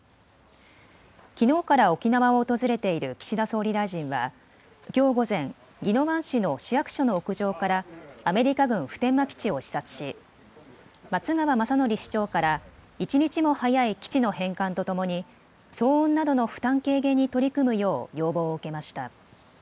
きのうから沖縄を訪れている岸田総理大臣はきょう午前、宜野湾市の市役所の屋上からアメリカ軍普天間基地を視察し松川正則市長から一日も早い基地の返還とともに騒音などの負担軽減に取り組むよう要望を受けました。